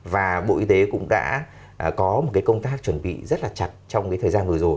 và bộ y tế cũng đã có một cái công tác chuẩn bị rất là chặt trong cái thời gian vừa rồi